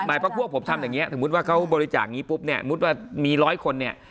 หมายความว่าผมทำอย่างเงี้ยสมมุติว่าเขาบริจาคงี้ปุ๊บเนี่ยสมมุติว่ามีร้อยคนเนี่ย